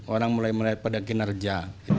orang mulai melihat pada kinerja